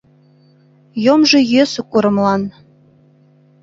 Йомжо йӧсӧ курымлан